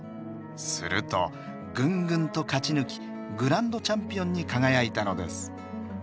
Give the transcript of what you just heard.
するとぐんぐんと勝ち抜きグランドチャンピオンに輝いたのです。